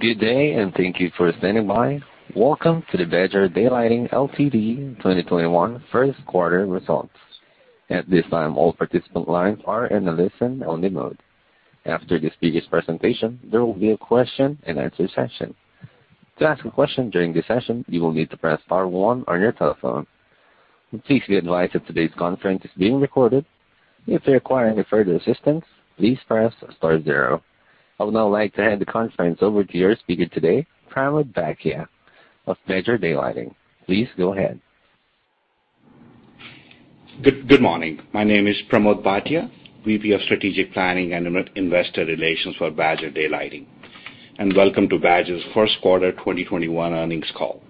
Good day, and thank you for standing by. Welcome to the Badger Daylighting Ltd. 2021 first quarter results. At this time, all participant lines are in a listen-only mode. After the speaker's presentation, there will be a question and answer session. To ask a question during the session, you will need to press star one on your telephone. Please be advised that today's conference is being recorded. If you require any further assistance, please press star zero. I would now like to hand the conference over to your speaker today, Pramod Bhatia of Badger Daylighting. Please go ahead. Good morning. My name is Pramod Bhatia, VP of Strategic Planning and Investor Relations for Badger Daylighting. Welcome to Badger's first quarter 2021 earnings call.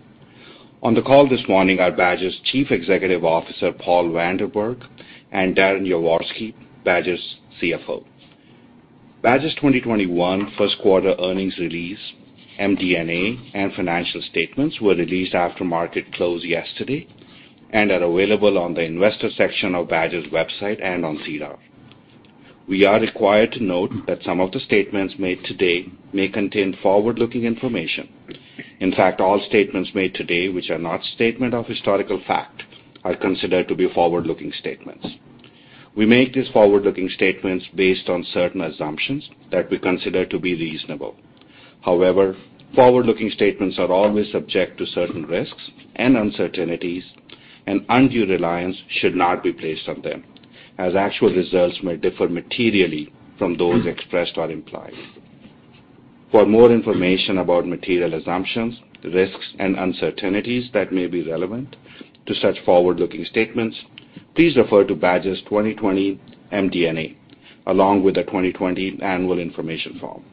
On the call this morning are Badger's Chief Executive Officer, Paul Vanderberg, and Darren Yaworsky, Badger's CFO. Badger's 2021 first quarter earnings release, MD&A, and financial statements were released after market close yesterday and are available on the Investor section of Badger's website and on SEDAR. We are required to note that some of the statements made today may contain forward-looking information. In fact, all statements made today which are not statement of historical fact are considered to be forward-looking statements. We make these forward-looking statements based on certain assumptions that we consider to be reasonable. However, forward-looking statements are always subject to certain risks and uncertainties, and undue reliance should not be placed on them, as actual results may differ materially from those expressed or implied. For more information about material assumptions, risks, and uncertainties that may be relevant to such forward-looking statements, please refer to Badger's 2020 MD&A, along with the 2020 annual information form.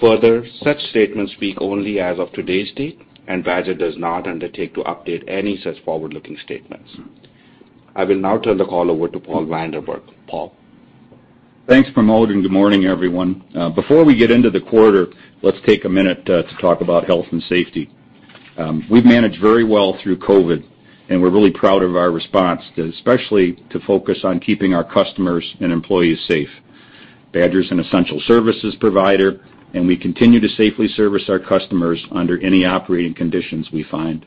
Further, such statements speak only as of today's date, and Badger does not undertake to update any such forward-looking statements. I will now turn the call over to Paul Vanderberg. Paul? Thanks, Pramod. Good morning, everyone. Before we get into the quarter, let's take a minute to talk about health and safety. We've managed very well through COVID, and we're really proud of our response, especially to focus on keeping our customers and employees safe. Badger's an essential services provider, and we continue to safely service our customers under any operating conditions we find.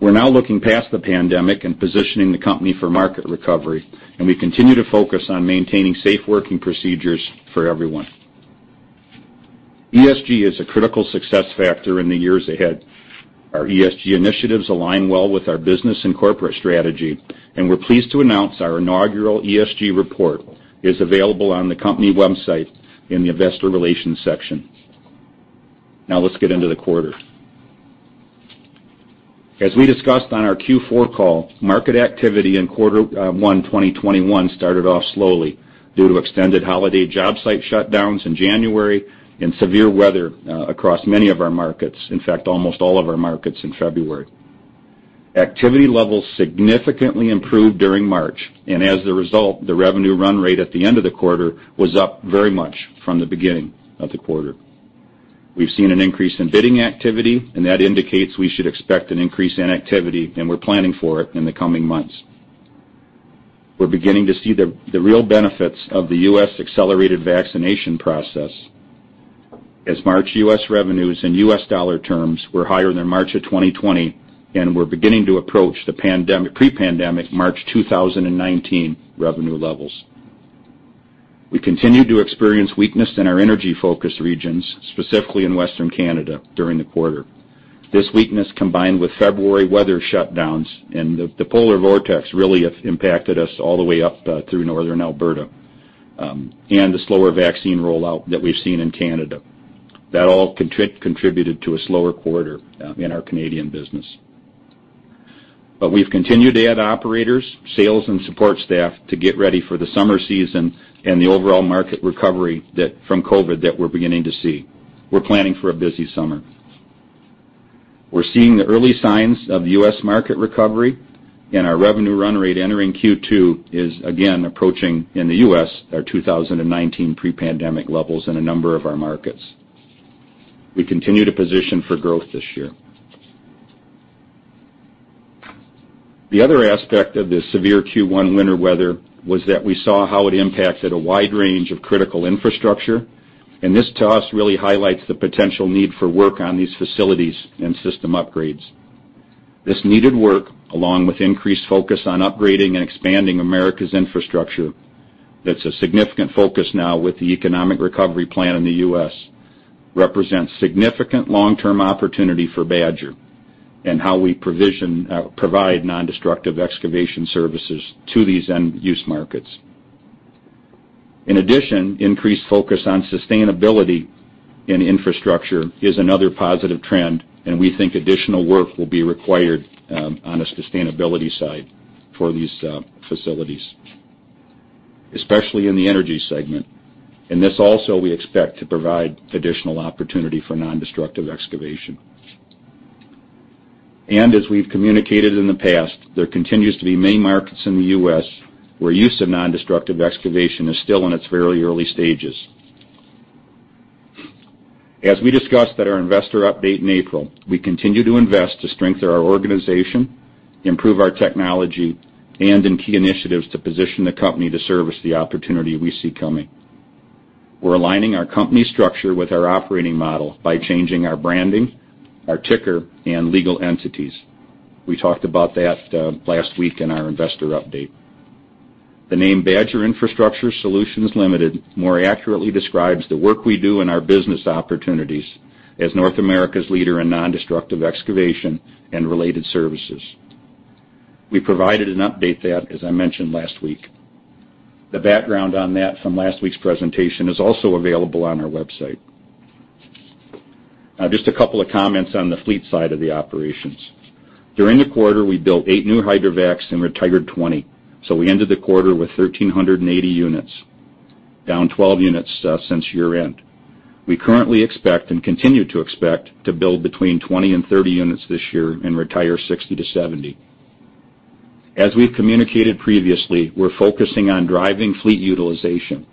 We're now looking past the pandemic and positioning the company for market recovery, and we continue to focus on maintaining safe working procedures for everyone. ESG is a critical success factor in the years ahead. Our ESG initiatives align well with our business and corporate strategy, and we're pleased to announce our inaugural ESG report is available on the company website in the Investor Relations section. Now let's get into the quarter. As we discussed on our Q4 call, market activity in quarter one 2021 started off slowly due to extended holiday job site shutdowns in January and severe weather across many of our markets. In fact, almost all of our markets in February. Activity levels significantly improved during March, and as a result, the revenue run rate at the end of the quarter was up very much from the beginning of the quarter. We've seen an increase in bidding activity, and that indicates we should expect an increase in activity, and we're planning for it in the coming months. We're beginning to see the real benefits of the U.S. accelerated vaccination process as March U.S. revenues in U.S. dollar terms were higher than March of 2020 and were beginning to approach the pre-pandemic March 2019 revenue levels. We continued to experience weakness in our energy-focused regions, specifically in Western Canada, during the quarter. This weakness, combined with February weather shutdowns and the polar vortex really impacted us all the way up through Northern Alberta, and the slower vaccine rollout that we've seen in Canada. That all contributed to a slower quarter in our Canadian business. We've continued to add operators, sales and support staff to get ready for the summer season and the overall market recovery from COVID that we're beginning to see. We're planning for a busy summer. We're seeing the early signs of U.S. market recovery, and our revenue run rate entering Q2 is again approaching, in the U.S., our 2019 pre-pandemic levels in a number of our markets. We continue to position for growth this year. The other aspect of the severe Q1 winter weather was that we saw how it impacted a wide range of critical infrastructure. This to us really highlights the potential need for work on these facilities and system upgrades. This needed work, along with increased focus on upgrading and expanding America's infrastructure, that's a significant focus now with the economic recovery plan in the U.S., represents significant long-term opportunity for Badger and how we provide nondestructive excavation services to these end use markets. In addition, increased focus on sustainability in infrastructure is another positive trend. We think additional work will be required on the sustainability side for these facilities, especially in the energy segment. This also we expect to provide additional opportunity for nondestructive excavation. As we've communicated in the past, there continues to be many markets in the U.S. where use of nondestructive excavation is still in its very early stages. As we discussed at our investor update in April, we continue to invest to strengthen our organization, improve our technology, and in key initiatives to position the company to service the opportunity we see coming. We're aligning our company structure with our operating model by changing our branding, our ticker, and legal entities. We talked about that last week in our investor update. The name Badger Infrastructure Solutions Limited, more accurately describes the work we do and our business opportunities as North America's leader in nondestructive excavation and related services. We provided an update on that, as I mentioned, last week. The background on that from last week's presentation is also available on our website. Just a couple of comments on the fleet side of the operations. During the quarter, we built eight new hydrovacs and retired 20. We ended the quarter with 1,380 units, down 12 units since year-end. We currently expect and continue to expect to build between 20 and 30 units this year and retire 60-70. As we've communicated previously, we're focusing on driving fleet utilization.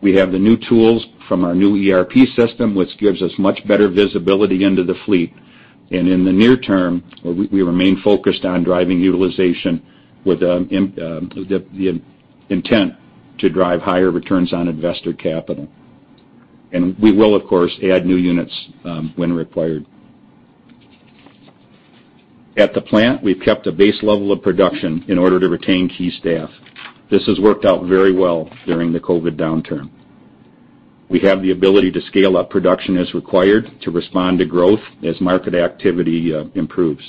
We have the new tools from our new ERP system, which gives us much better visibility into the fleet. In the near term, we remain focused on driving utilization with the intent to drive higher returns on investor capital. We will, of course, add new units when required. At the plant, we've kept a base level of production in order to retain key staff. This has worked out very well during the COVID downturn. We have the ability to scale up production as required to respond to growth as market activity improves.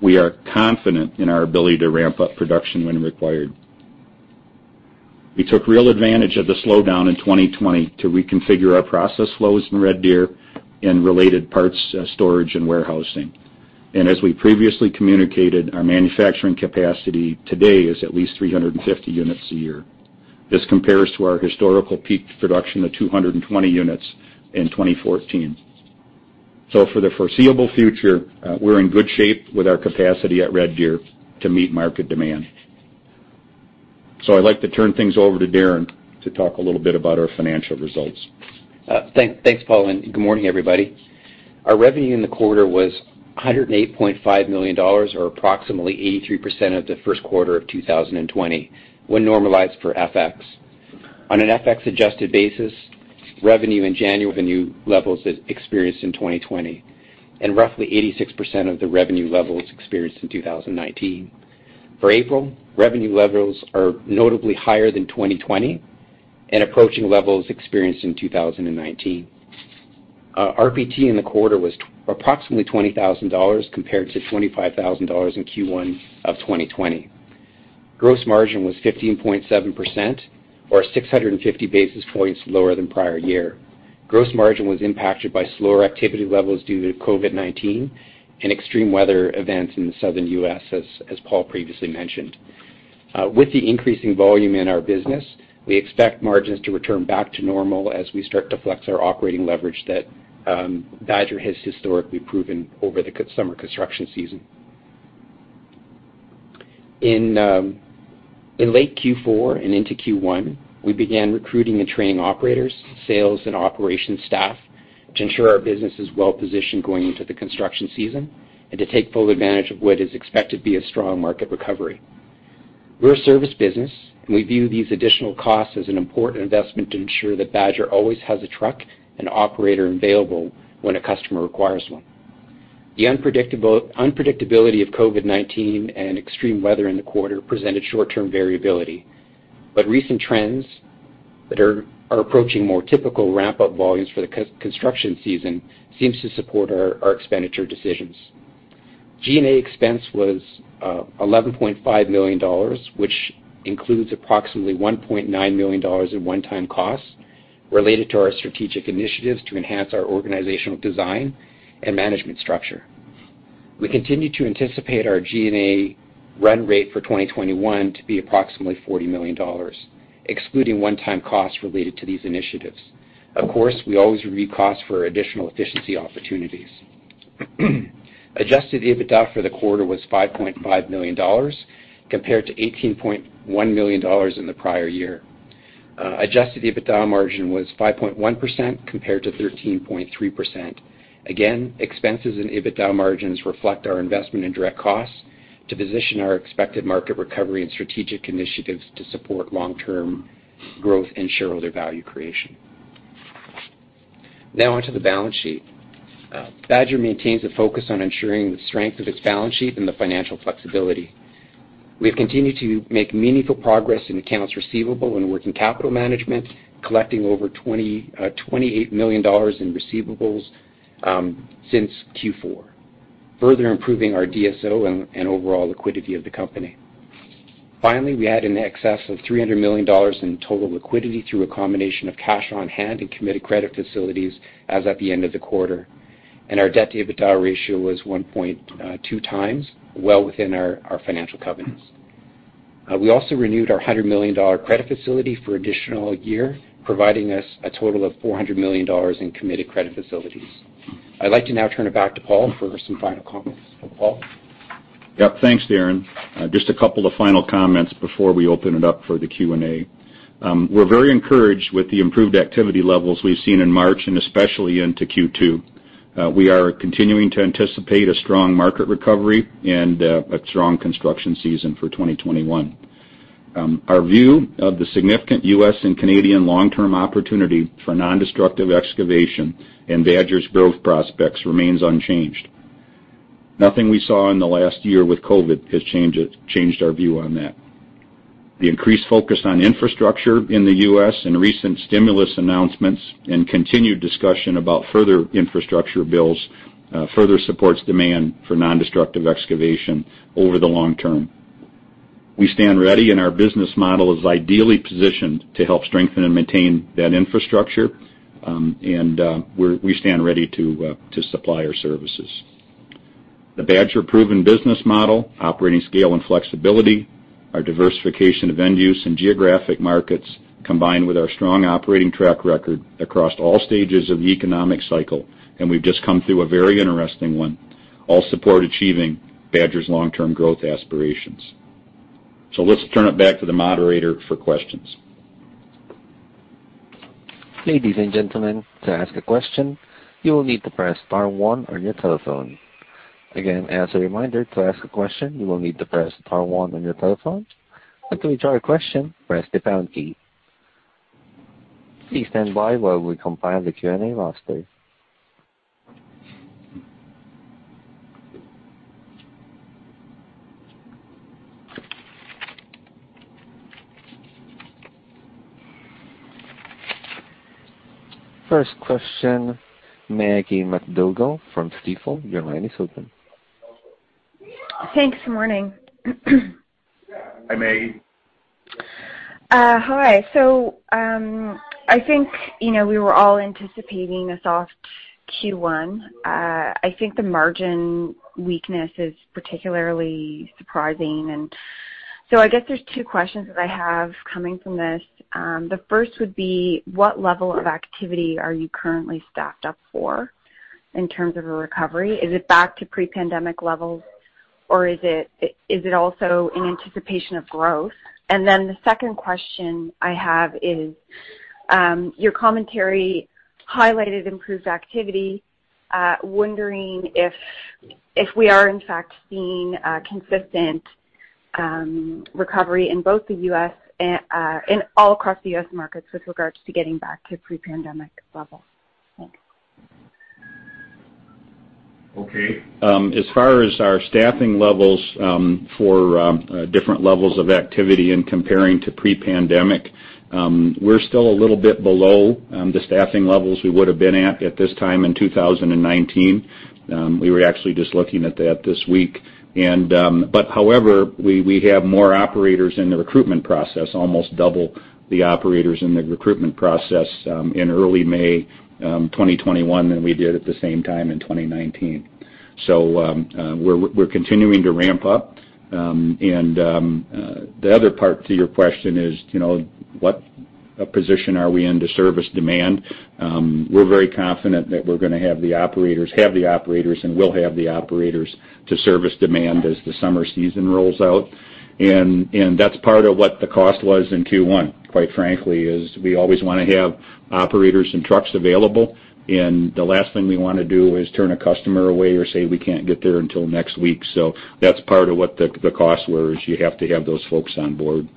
We are confident in our ability to ramp up production when required. We took real advantage of the slowdown in 2020 to reconfigure our process flows in Red Deer and related parts storage and warehousing. As we previously communicated, our manufacturing capacity today is at least 350 units a year. This compares to our historical peak production of 220 units in 2014. For the foreseeable future, we're in good shape with our capacity at Red Deer to meet market demand. I'd like to turn things over to Darren to talk a little bit about our financial results. Thanks, Paul. Good morning, everybody. Our revenue in the quarter was 108.5 million dollars, or approximately 83% of the first quarter of 2020, when normalized for FX. On an FX-adjusted basis, revenue in January, revenue levels experienced in 2020, and roughly 86% of the revenue levels experienced in 2019. April, revenue levels are notably higher than 2020 and approaching levels experienced in 2019. Our RPT in the quarter was approximately 20,000 dollars compared to 25,000 dollars in Q1 of 2020. Gross margin was 15.7%, or 650 basis points lower than prior year. Gross margin was impacted by slower activity levels due to COVID-19 and extreme weather events in the Southern U.S. as Paul previously mentioned. With the increasing volume in our business, we expect margins to return back to normal as we start to flex our operating leverage that Badger has historically proven over the summer construction season. In late Q4 and into Q1, we began recruiting and training operators, sales, and operation staff to ensure our business is well-positioned going into the construction season and to take full advantage of what is expected to be a strong market recovery. We're a service business, and we view these additional costs as an important investment to ensure that Badger always has a truck and operator available when a customer requires one. The unpredictability of COVID-19 and extreme weather in the quarter presented short-term variability. Recent trends that are approaching more typical ramp-up volumes for the construction season seems to support our expenditure decisions. G&A expense was 11.5 million dollars, which includes approximately 1.9 million dollars in one-time costs related to our strategic initiatives to enhance our organizational design and management structure. We continue to anticipate our G&A run rate for 2021 to be approximately 40 million dollars, excluding one-time costs related to these initiatives. Of course, we always review costs for additional efficiency opportunities. Adjusted EBITDA for the quarter was 5.5 million dollars, compared to 18.1 million dollars in the prior year. Adjusted EBITDA margin was 5.1% compared to 13.3%. Again, expenses and EBITDA margins reflect our investment in direct costs to position our expected market recovery and strategic initiatives to support long-term growth and shareholder value creation. Onto the balance sheet. Badger maintains a focus on ensuring the strength of its balance sheet and the financial flexibility. We have continued to make meaningful progress in accounts receivable and working capital management, collecting over 28 million dollars in receivables since Q4, further improving our DSO and overall liquidity of the company. Finally, we had in excess of 300 million dollars in total liquidity through a combination of cash on hand and committed credit facilities as at the end of the quarter, and our debt-to-EBITDA ratio was 1.2x, well within our financial covenants. We also renewed our 100 million dollar credit facility for an additional year, providing us a total of 400 million dollars in committed credit facilities. I'd like to now turn it back to Paul for some final comments. Paul? Yep. Thanks, Darren. Just a couple of final comments before we open it up for the Q&A. We're very encouraged with the improved activity levels we've seen in March, and especially into Q2. We are continuing to anticipate a strong market recovery and a strong construction season for 2021. Our view of the significant U.S. and Canadian long-term opportunity for nondestructive excavation and Badger's growth prospects remains unchanged. Nothing we saw in the last year with COVID has changed our view on that. The increased focus on infrastructure in the U.S. and recent stimulus announcements and continued discussion about further infrastructure bills further supports demand for nondestructive excavation over the long term. We stand ready, and our business model is ideally positioned to help strengthen and maintain that infrastructure. We stand ready to supply our services. The Badger-proven business model, operating scale and flexibility, our diversification of end use and geographic markets, combined with our strong operating track record across all stages of the economic cycle, and we've just come through a very interesting one, all support achieving Badger's long-term growth aspirations. Let's turn it back to the moderator for questions. Ladies and gentlemen, to ask a question, you will need to press star one on your telephone. Again, as a reminder, to ask a question, you will need to press star one on your telephone. To withdraw your question, press the pound key. Please stand by while we compile the Q&A roster. First question, Maggie MacDougall from Stifel, your line is open. Thanks. Morning. Hi, Maggie. Hi. I think we were all anticipating a soft Q1. I think the margin weakness is particularly surprising. I guess there's two questions that I have coming from this. The first would be, what level of activity are you currently staffed up for in terms of a recovery? Is it back to pre-pandemic levels or is it also in anticipation of growth? The second question I have is, your commentary highlighted improved activity. Wondering if we are, in fact, seeing a consistent recovery in all across the U.S. markets with regards to getting back to pre-pandemic levels. Thanks. As far as our staffing levels for different levels of activity and comparing to pre-pandemic, we're still a little bit below the staffing levels we would've been at this time in 2019. We were actually just looking at that this week. However, we have more operators in the recruitment process, almost double the operators in the recruitment process in early May 2021 than we did at the same time in 2019. We're continuing to ramp up. The other part to your question is, what position are we in to service demand? We're very confident that we're going to have the operators, and will have the operators to service demand as the summer season rolls out. That's part of what the cost was in Q1, quite frankly, is we always want to have operators and trucks available. The last thing we want to do is turn a customer away or say we can't get there until next week. That's part of what the cost was, you have to have those folks on board.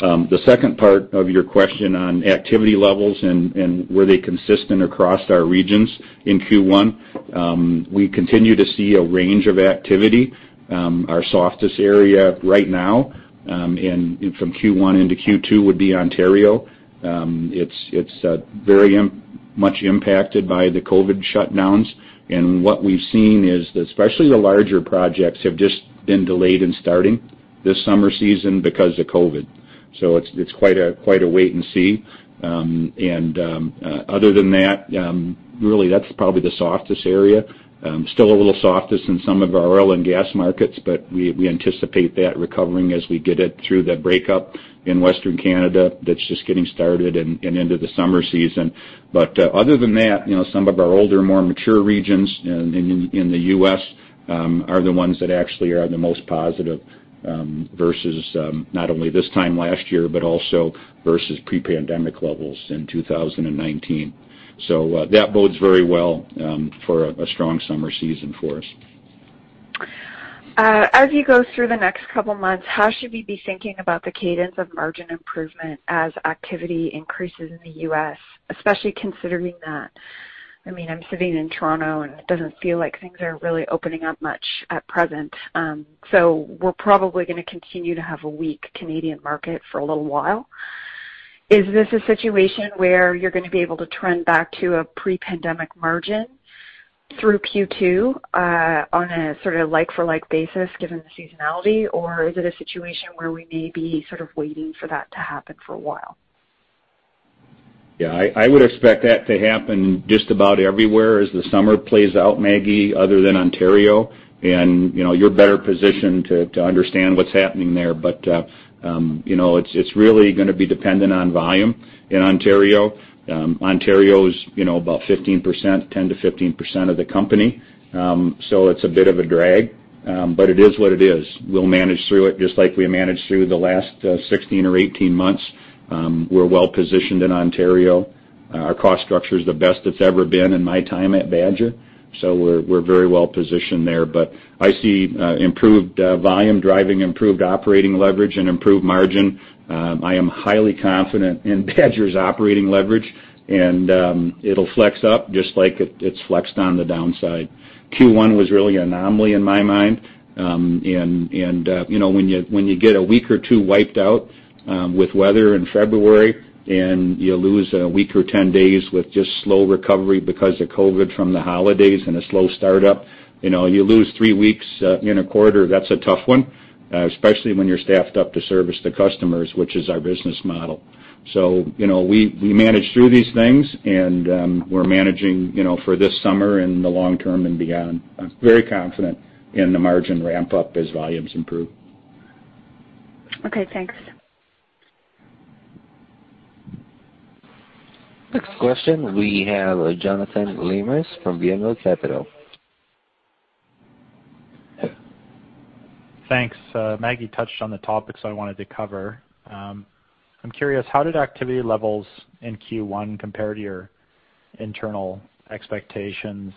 The second part of your question on activity levels and were they consistent across our regions in Q1? We continue to see a range of activity. Our softest area right now, and from Q1 into Q2, would be Ontario. It's very much impacted by the COVID shutdowns. What we've seen is that especially the larger projects have just been delayed in starting this summer season because of COVID. It's quite a wait and see. Other than that, really that's probably the softest area. Still a little softest in some of our oil and gas markets, but we anticipate that recovering as we get it through the breakup in Western Canada that's just getting started and into the summer season. Other than that, some of our older, more mature regions in the U.S. are the ones that actually are the most positive, versus not only this time last year, but also versus pre-pandemic levels in 2019. That bodes very well for a strong summer season for us. As you go through the next couple of months, how should we be thinking about the cadence of margin improvement as activity increases in the U.S.? Especially considering that, I'm sitting in Toronto, and it doesn't feel like things are really opening up much at present. We're probably going to continue to have a weak Canadian market for a little while. Is this a situation where you're going to be able to trend back to a pre-pandemic margin through Q2 on a sort of like for like basis given the seasonality? Or is it a situation where we may be sort of waiting for that to happen for a while? Yeah. I would expect that to happen just about everywhere as the summer plays out, Maggie, other than Ontario. You're better positioned to understand what's happening there. It's really going to be dependent on volume in Ontario. Ontario's about 10%-15% of the company. It's a bit of a drag. It is what it is. We'll manage through it just like we managed through the last 16 or 18 months. We're well-positioned in Ontario. Our cost structure is the best it's ever been in my time at Badger, we're very well-positioned there. I see improved volume driving improved operating leverage and improved margin. I am highly confident in Badger's operating leverage, it'll flex up just like it's flexed on the downside. Q1 was really an anomaly in my mind. When you get a week or two wiped out with weather in February, and you lose a week or 10 days with just slow recovery because of COVID-19 from the holidays and a slow startup. You lose three weeks in a quarter, that's a tough one, especially when you're staffed up to service the customers, which is our business model. We manage through these things, and we're managing for this summer and the long term and beyond. I'm very confident in the margin ramp-up as volumes improve. Okay, thanks. Next question, we have Jonathan Lamers from BMO Capital. Thanks. Maggie touched on the topics I wanted to cover. I'm curious, how did activity levels in Q1 compare to your internal expectations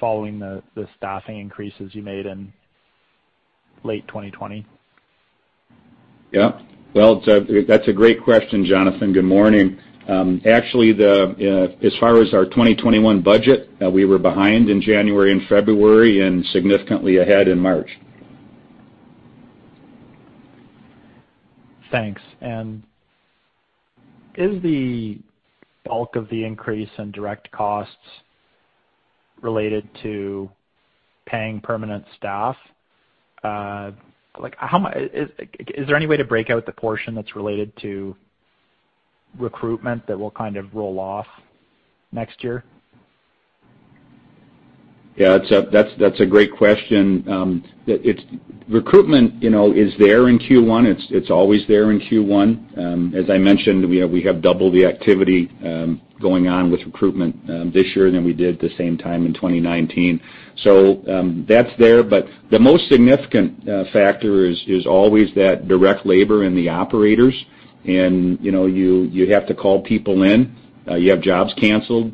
following the staffing increases you made in late 2020? Yep. Well, that's a great question, Jonathan. Good morning. Actually, as far as our 2021 budget, we were behind in January and February and significantly ahead in March. Thanks. Is the bulk of the increase in direct costs related to paying permanent staff? Is there any way to break out the portion that's related to recruitment that will kind of roll off next year? That's a great question. Recruitment is there in Q1. It's always there in Q1. As I mentioned, we have double the activity going on with recruitment this year than we did the same time in 2019. That's there. The most significant factor is always that direct labor and the operators and you have to call people in. You have jobs canceled.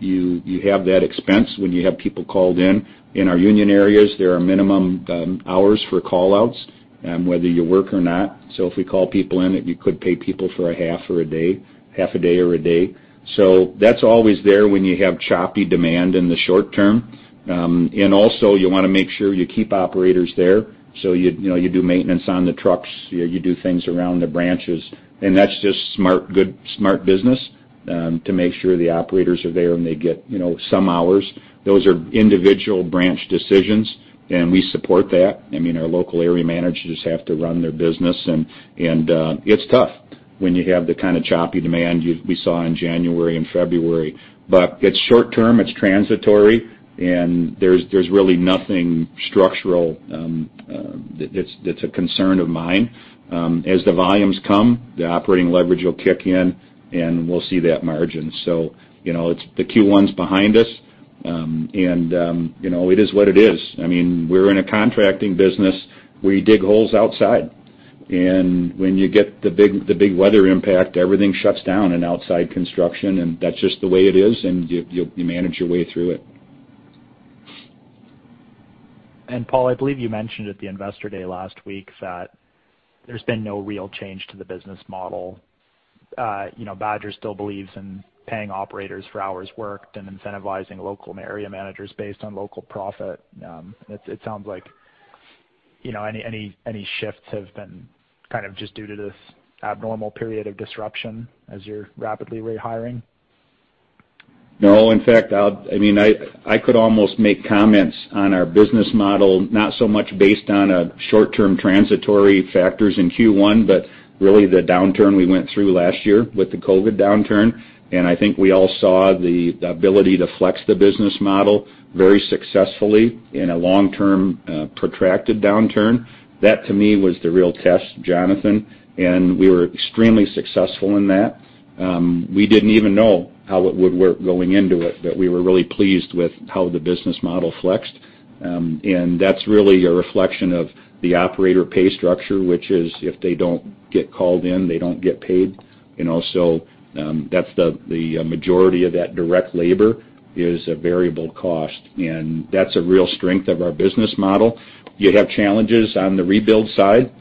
You have that expense when you have people called in. In our union areas, there are minimum hours for call-outs, whether you work or not. If we call people in, you could pay people for a half a day or a day. That's always there when you have choppy demand in the short term. Also you want to make sure you keep operators there. You do maintenance on the trucks, you do things around the branches. That's just good smart business to make sure the operators are there and they get some hours. Those are individual branch decisions, and we support that. Our local area managers have to run their business, and it's tough when you have the kind of choppy demand we saw in January and February. It's short term, it's transitory, and there's really nothing structural that's a concern of mine. As the volumes come, the operating leverage will kick in, and we'll see that margin. The Q1's behind us, and it is what it is. We're in a contracting business. We dig holes outside. When you get the big weather impact, everything shuts down in outside construction, and that's just the way it is, and you manage your way through it. Paul, I believe you mentioned at the Investor Day last week that there's been no real change to the business model. Badger still believes in paying operators for hours worked and incentivizing local area managers based on local profit. It sounds like any shifts have been kind of just due to this abnormal period of disruption as you're rapidly rehiring. No. In fact, I could almost make comments on our business model, not so much based on short-term transitory factors in Q1, but really the downturn we went through last year with the COVID-19 downturn. I think we all saw the ability to flex the business model very successfully in a long-term, protracted downturn. That to me, was the real test, Jonathan, and we were extremely successful in that. We didn't even know how it would work going into it, but we were really pleased with how the business model flexed. That's really a reflection of the operator pay structure, which is if they don't get called in, they don't get paid. Also, the majority of that direct labor is a variable cost, and that's a real strength of our business model. You have challenges on the rebuild side,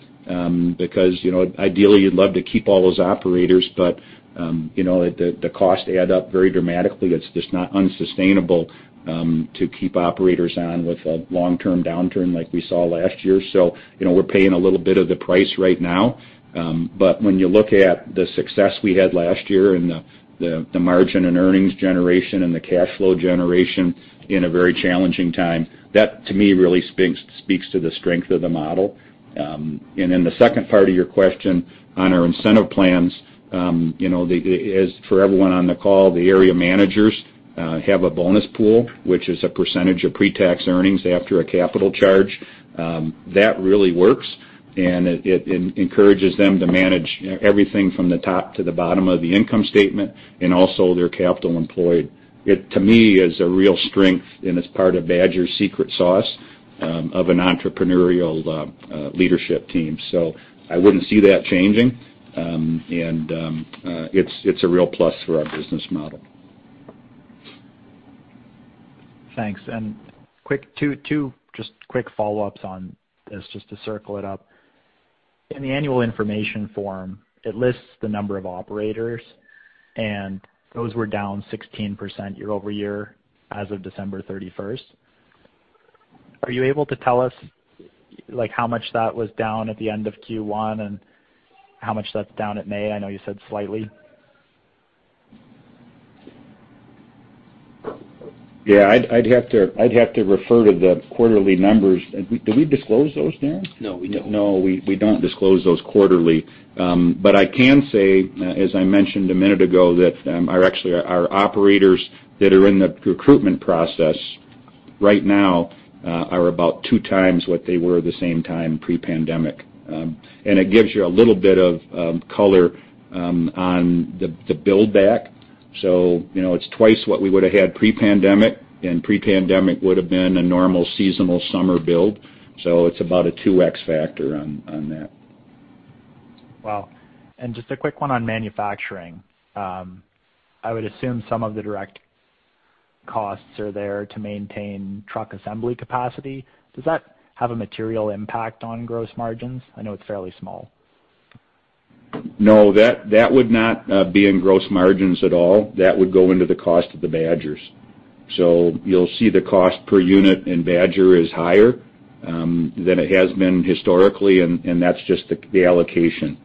because ideally you'd love to keep all those operators, but the cost add up very dramatically. It's just unsustainable to keep operators on with a long-term downturn like we saw last year. We're paying a little bit of the price right now. When you look at the success we had last year and the margin and earnings generation and the cash flow generation in a very challenging time, that to me really speaks to the strength of the model. The second part of your question on our incentive plans. For everyone on the call, the area managers have a bonus pool, which is a percentage of pre-tax earnings after a capital charge. That really works, and it encourages them to manage everything from the top to the bottom of the income statement and also their capital employed. It, to me, is a real strength, and it's part of Badger's secret sauce of an entrepreneurial leadership team. I wouldn't see that changing. It's a real plus for our business model. Thanks. Two just quick follow-ups on this just to circle it up. In the annual information form, it lists the number of operators, and those were down 16% year-over-year as of December 31st. Are you able to tell us how much that was down at the end of Q1 and how much that's down at May? I know you said slightly. Yeah. I'd have to refer to the quarterly numbers. Do we disclose those, Darren? No, we don't. No, we don't disclose those quarterly. I can say, as I mentioned a minute ago, that our operators that are in the recruitment process right now are about two times what they were at the same time pre-pandemic. It gives you a little bit of color on the build-back. It's twice what we would've had pre-pandemic, and pre-pandemic would've been a normal seasonal summer build. It's about a 2x factor on that. Wow. Just a quick one on manufacturing. I would assume some of the direct costs are there to maintain truck assembly capacity. Does that have a material impact on gross margins? I know it's fairly small. No, that would not be in gross margins at all. That would go into the cost of the Badgers. You'll see the cost per unit in Badger is higher than it has been historically, and that's just the allocation.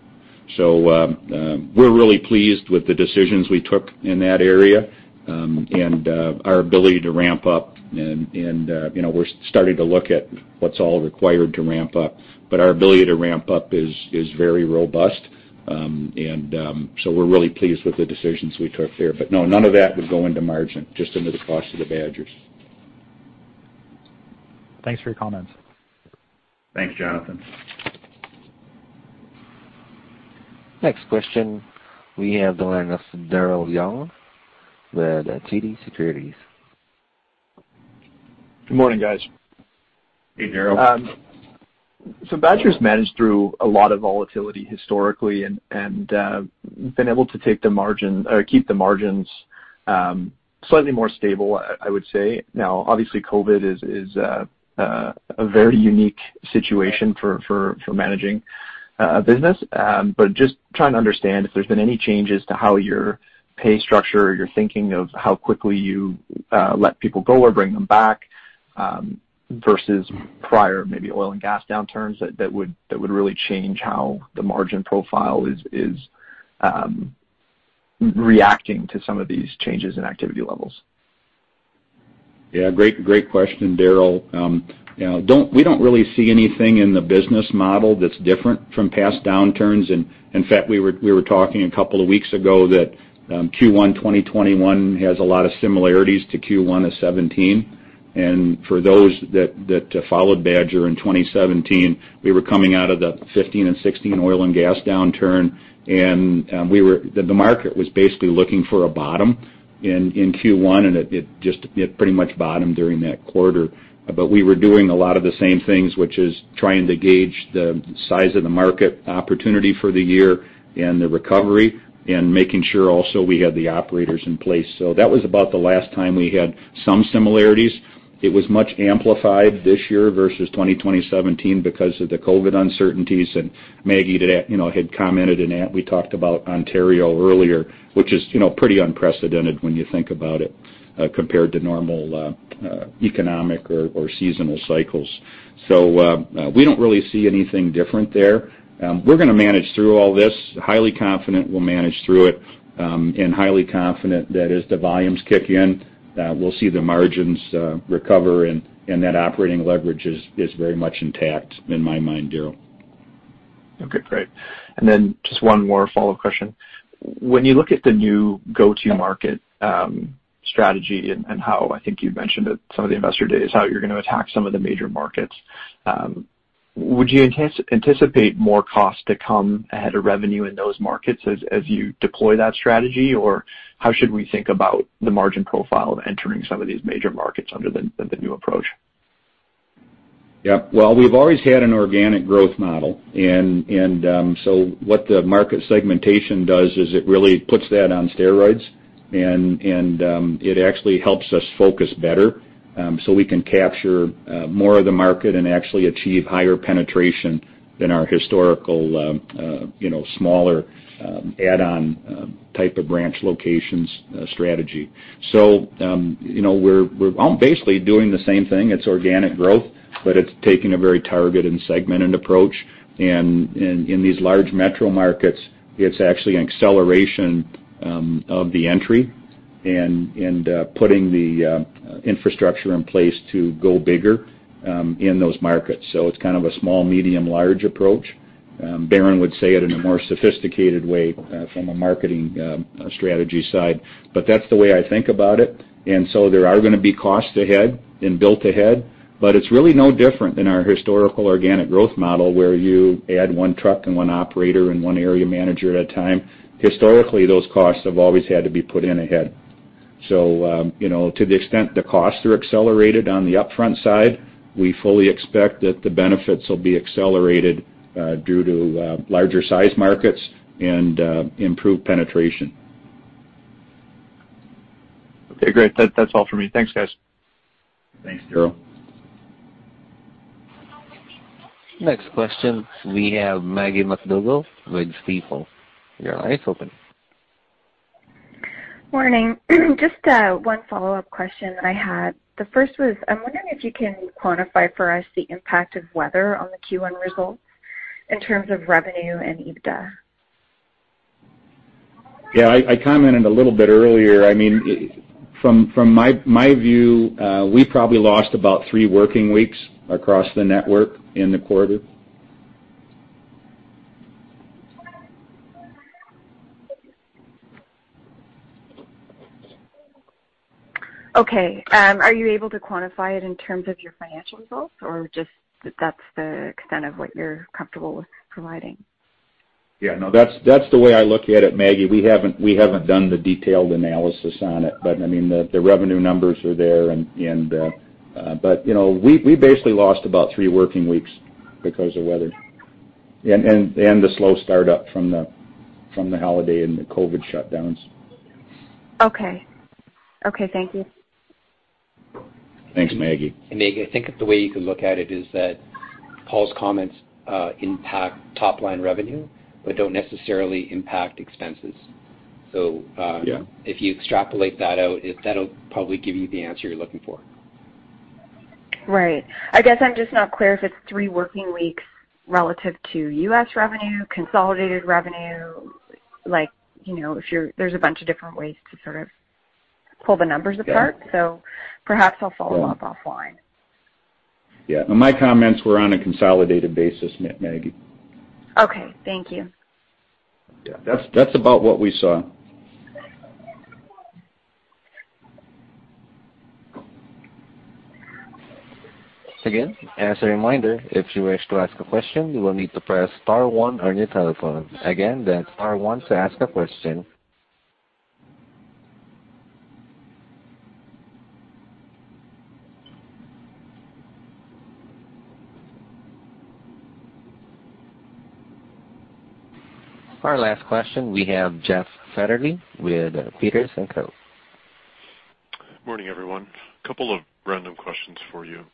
We're really pleased with the decisions we took in that area, and our ability to ramp up, and we're starting to look at what's all required to ramp up. Our ability to ramp up is very robust. We're really pleased with the decisions we took there. No, none of that would go into margin, just into the cost of the Badgers. Thanks for your comments. Thanks, Jonathan. Next question we have the line of Daryl Young with TD Securities. Good morning, guys. Hey, Daryl. Badger's managed through a lot of volatility historically and been able to keep the margins slightly more stable, I would say. Obviously, COVID is a very unique situation for managing a business. Just trying to understand if there's been any changes to how your pay structure or your thinking of how quickly you let people go or bring them back, versus prior maybe oil and gas downturns that would really change how the margin profile is reacting to some of these changes in activity levels. Yeah. Great question, Daryl. We don't really see anything in the business model that's different from past downturns. In fact, we were talking a couple of weeks ago that Q1 2021 has a lot of similarities to Q1 of 2017. For those that followed Badger in 2017, we were coming out of the 2015 and 2016 oil and gas downturn, and the market was basically looking for a bottom in Q1, and it pretty much bottomed during that quarter. We were doing a lot of the same things, which is trying to gauge the size of the market opportunity for the year and the recovery, and making sure also we had the operators in place. That was about the last time we had some similarities. It was much amplified this year versus 2017 because of the COVID-19 uncertainties. Maggie had commented in that we talked about Ontario earlier, which is pretty unprecedented when you think about it, compared to normal economic or seasonal cycles. We don't really see anything different there. We're going to manage through all this. Highly confident we'll manage through it, and highly confident that as the volumes kick in, we'll see the margins recover and that operating leverage is very much intact in my mind, Daryl. Okay, great. Then just one more follow-up question. When you look at the new go-to market strategy and how, I think you've mentioned it some of the investor days, how you're going to attack some of the major markets. Would you anticipate more cost to come ahead of revenue in those markets as you deploy that strategy? How should we think about the margin profile of entering some of these major markets under the new approach? Yeah. Well, we've always had an organic growth model. What the market segmentation does is it really puts that on steroids, and it actually helps us focus better, so we can capture more of the market and actually achieve higher penetration than our historical smaller add-on type of branch locations strategy. We're basically doing the same thing. It's organic growth, but it's taking a very targeted and segmented approach. In these large metro markets, it's actually an acceleration of the entry and putting the infrastructure in place to go bigger in those markets. It's kind of a small, medium, large approach. Darren would say it in a more sophisticated way from a marketing strategy side. That's the way I think about it. There are going to be costs ahead and built ahead, but it's really no different than our historical organic growth model where you add one truck and one operator and one area manager at a time. Historically, those costs have always had to be put in ahead. To the extent the costs are accelerated on the upfront side, we fully expect that the benefits will be accelerated due to larger size markets and improved penetration. Okay, great. That's all for me. Thanks, guys. Thanks, Daryl. Next question, we have Maggie MacDougall with Stifel. Your line is open. Morning. Just one follow-up question that I had. I'm wondering if you can quantify for us the impact of weather on the Q1 results in terms of revenue and EBITDA. Yeah, I commented a little bit earlier. From my view, we probably lost about three working weeks across the network in the quarter. Are you able to quantify it in terms of your financial results, or just that's the extent of what you're comfortable with providing? Yeah, no. That's the way I look at it, Maggie. We haven't done the detailed analysis on it, but the revenue numbers are there. We basically lost about three working weeks because of weather and the slow startup from the holiday and the COVID shutdowns. Okay. Thank you. Thanks, Maggie. Maggie, I think the way you could look at it is that Paul's comments impact top-line revenue but don't necessarily impact expenses. Yeah. If you extrapolate that out, that'll probably give you the answer you're looking for. Right. I guess I'm just not clear if it's three working weeks relative to U.S. revenue, consolidated revenue. There's a bunch of different ways to sort of pull the numbers apart. Yeah. Perhaps I'll follow up offline. Yeah. My comments were on a consolidated basis, Maggie. Okay. Thank you. Yeah. That's about what we saw. Again, as a reminder, if you wish to ask a question, you will need to press star one on your telephone. Again, that's star one to ask a question. Our last question, we have Jeff Fetterly with Peters & Co. Morning, everyone. Couple of random questions for you.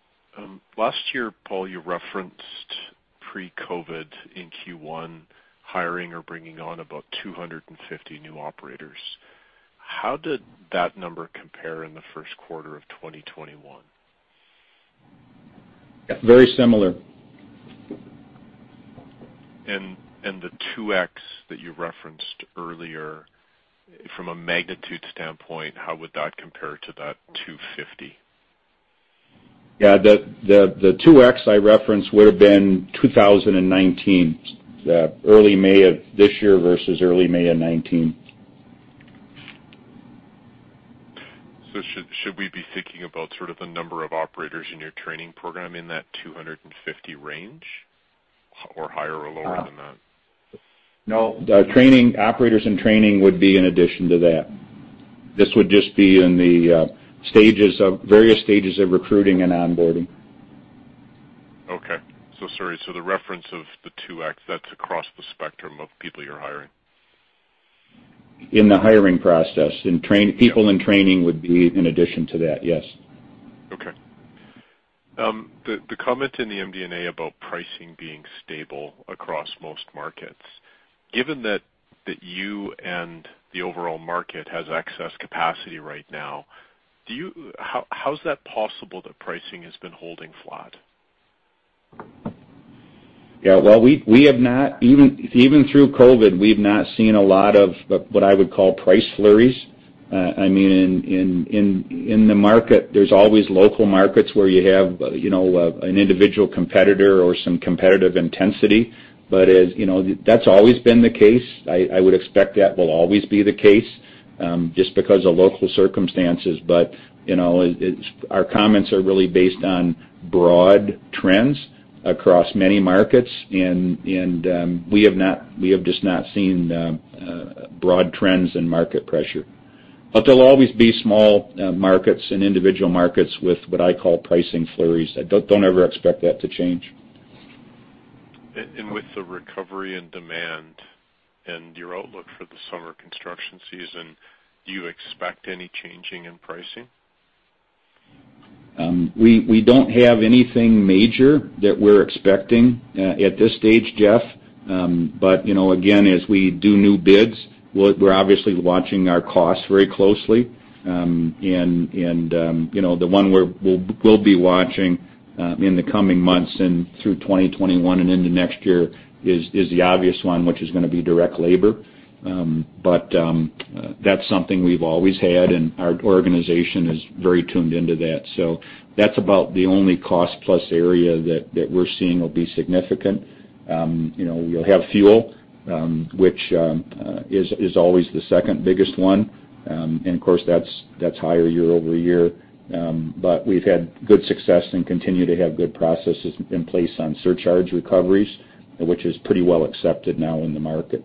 Last year, Paul, you referenced pre-COVID in Q1 hiring or bringing on about 250 new operators. How did that number compare in the first quarter of 2021? Very similar. The 2x that you referenced earlier, from a magnitude standpoint, how would that compare to that 250? Yeah. The 2x I referenced would've been 2019, early May of this year versus early May of 2019. Should we be thinking about sort of the number of operators in your training program in that 250 range or higher or lower than that? No. Operators in training would be in addition to that. This would just be in the various stages of recruiting and onboarding. Okay. Sorry. The reference of the 2x, that's across the spectrum of people you're hiring. In the hiring process. People in training would be in addition to that, yes. Okay. The comment in the MD&A about pricing being stable across most markets, given that you and the overall market has excess capacity right now, how's that possible that pricing has been holding flat? Yeah. Even through COVID-19, we've not seen a lot of what I would call price flurries. In the market, there's always local markets where you have an individual competitor or some competitive intensity, that's always been the case. I would expect that will always be the case, just because of local circumstances. Our comments are really based on broad trends across many markets, and we have just not seen broad trends in market pressure. There'll always be small markets and individual markets with what I call pricing flurries. Don't ever expect that to change. With the recovery and demand and your outlook for the summer construction season, do you expect any change in pricing? We don't have anything major that we're expecting at this stage, Jeff. Again, as we do new bids, we're obviously watching our costs very closely. The one we'll be watching in the coming months and through 2021 and into next year is the obvious one, which is going to be direct labor. That's something we've always had, and our organization is very tuned into that. That's about the only cost plus area that we're seeing will be significant. We'll have fuel, which is always the second biggest one. Of course, that's higher year-over-year. We've had good success and continue to have good processes in place on surcharge recoveries, which is pretty well accepted now in the market.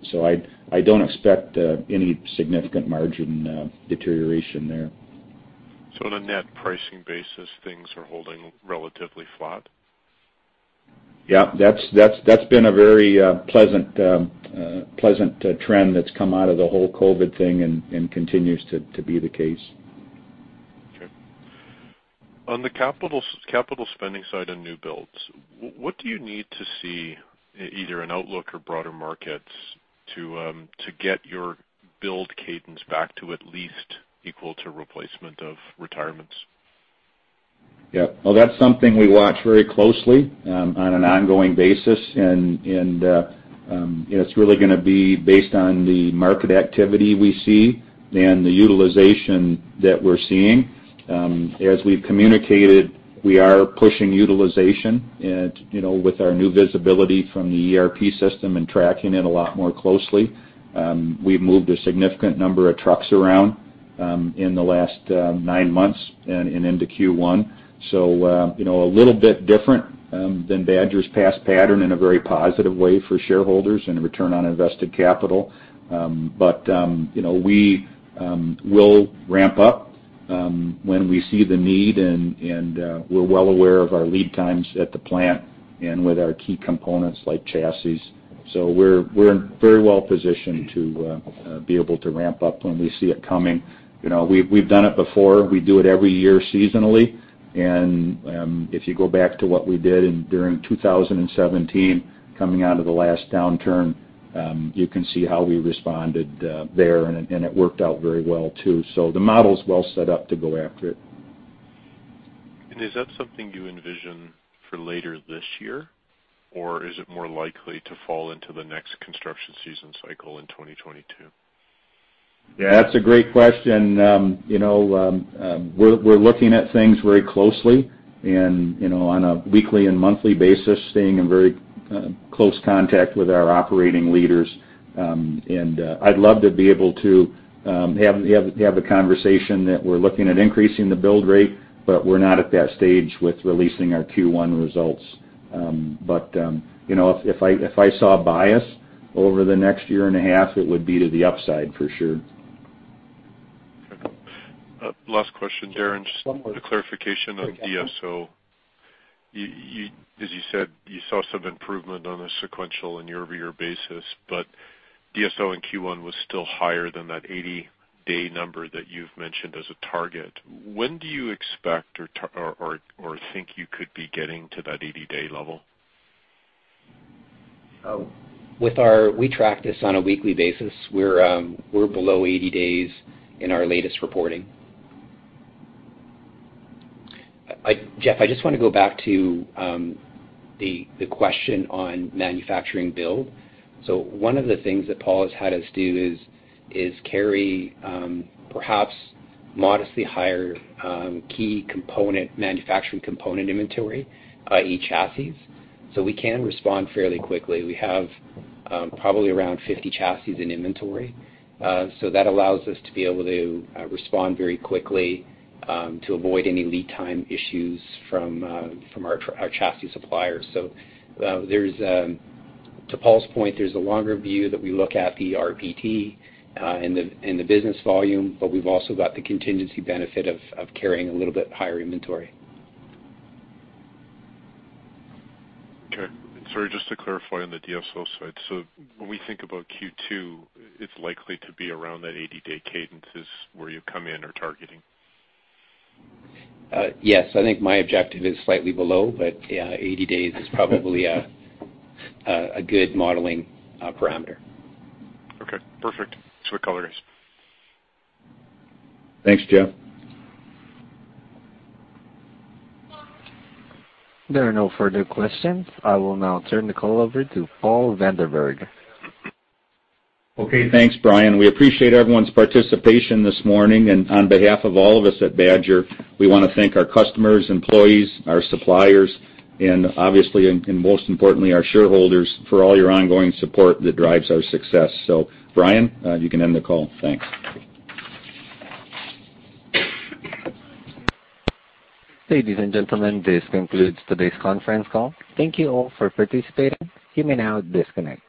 I don't expect any significant margin deterioration there. On a net pricing basis, things are holding relatively flat? Yeah. That's been a very pleasant trend that's come out of the whole COVID thing and continues to be the case. Okay. On the capital spending side on new builds, what do you need to see, either in outlook or broader markets, to get your build cadence back to at least equal to replacement of retirements? Yep. Well, that's something we watch very closely on an ongoing basis. It's really going to be based on the market activity we see and the utilization that we're seeing. As we've communicated, we are pushing utilization, and with our new visibility from the ERP system and tracking it a lot more closely. We've moved a significant number of trucks around in the last nine months and into Q1. A little bit different than Badger's past pattern in a very positive way for shareholders and a return on invested capital. We will ramp up when we see the need, and we're well aware of our lead times at the plant and with our key components like chassis. We're very well-positioned to be able to ramp up when we see it coming. We've done it before. We do it every year seasonally. If you go back to what we did during 2017, coming out of the last downturn, you can see how we responded there, and it worked out very well too. The model's well set up to go after it. Is that something you envision for later this year? Or is it more likely to fall into the next construction season cycle in 2022? That's a great question. We're looking at things very closely and on a weekly and monthly basis, staying in very close contact with our operating leaders. I'd love to be able to have a conversation that we're looking at increasing the build rate, but we're not at that stage with releasing our Q1 results. If I saw a bias over the next year and a half, it would be to the upside for sure. Okay. Last question, Darren. Just a clarification on DSO. As you said, you saw some improvement on a sequential and year-over-year basis, but DSO in Q1 was still higher than that 80-day number that you've mentioned as a target. When do you expect or think you could be getting to that 80-day level? We track this on a weekly basis. We're below 80 days in our latest reporting. Jeff, I just want to go back to the question on manufacturing build. One of the things that Paul has had us do is carry perhaps modestly higher key manufacturing component inventory, i.e. chassis. We can respond fairly quickly. We have probably around 50 chassis in inventory. That allows us to be able to respond very quickly to avoid any lead time issues from our chassis suppliers. To Paul's point, there's a longer view that we look at the RPT and the business volume, but we've also got the contingency benefit of carrying a little bit higher inventory. Okay. Sorry, just to clarify on the DSO side. When we think about Q2, it's likely to be around that 80-day cadence is where you come in or targeting? Yes. I think my objective is slightly below, but yeah, 80 days is probably a good modeling parameter. Okay, perfect. That's what it covers. Thanks, Jeff. There are no further questions. I will now turn the call over to Paul Vanderberg. Okay. Thanks, Brian. We appreciate everyone's participation this morning. On behalf of all of us at Badger, we want to thank our customers, employees, our suppliers, and obviously, and most importantly, our shareholders for all your ongoing support that drives our success. Brian, you can end the call. Thanks. Ladies and gentlemen, this concludes today's conference call. Thank you all for participating. You may now disconnect.